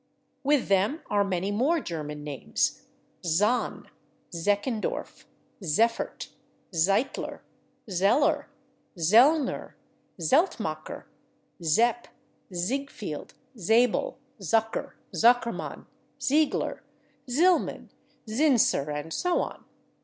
With them are many more German names: /Zahn/, /Zechendorf/, /Zeffert/, /Zeitler/, /Zeller/, /Zellner/, /Zeltmacher/, /Zepp/, /Ziegfeld/, /Zabel/, /Zucker/, /Zuckermann/, /Ziegler/, /Zillman/, /Zinser/ and so on.